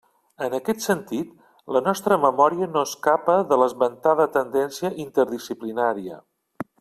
En aquest sentit, la nostra memòria no escapa de l'esmentada tendència interdisciplinària.